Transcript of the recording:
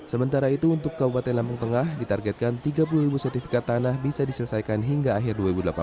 sementara itu untuk kabupaten lampung tengah ditargetkan tiga puluh sertifikat tanah bisa diselesaikan hingga akhir dua ribu delapan belas